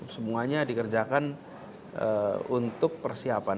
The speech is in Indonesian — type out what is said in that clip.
semuanya dikerjakan untuk persiapan